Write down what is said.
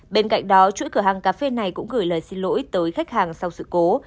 bên cạnh đó chuỗi cửa hàng cà phê này cũng gửi lời xin lỗi tới khách hàng sau sự cố